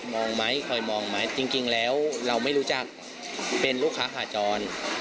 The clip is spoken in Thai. มองไหมคอยมองไหมจริงแล้วเราไม่รู้จักเป็นลูกค้าขาจร